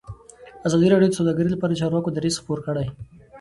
ازادي راډیو د سوداګري لپاره د چارواکو دریځ خپور کړی.